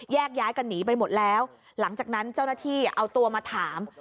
ย้ายกันหนีไปหมดแล้วหลังจากนั้นเจ้าหน้าที่เอาตัวมาถาม